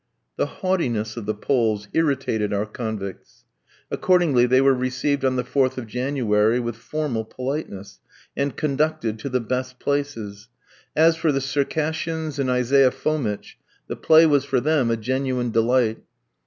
The haughtiness of the Poles irritated our convicts. Accordingly they were received on the 4th of January with formal politeness, and conducted to the best places. As for the Circassians and Isaiah Fomitch, the play was for them a genuine delight.